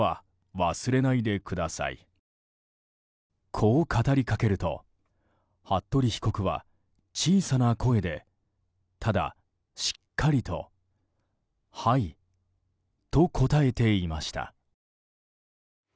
こう語りかけると服部被告は小さな声で、ただしっかりとはいと答えていました。